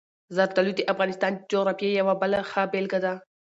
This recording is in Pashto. زردالو د افغانستان د جغرافیې یوه بله ښه بېلګه ده.